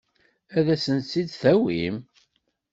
Ad asent-tt-id-tawim?